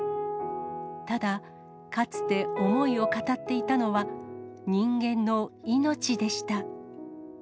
ただ、かつて思いを語っていたのは、人間の命でした。